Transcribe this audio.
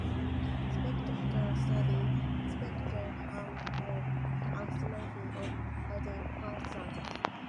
Spectroscopy studies spectral bands for astronomy and other purposes.